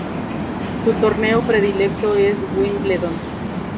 Su torneo predilecto es Wimbledon.